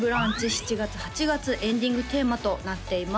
７月８月エンディングテーマとなっています